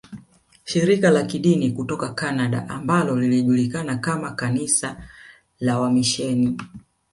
Shirika la Kidini kutoka Canada ambalo lilijulikana kama kanisa la wamisheni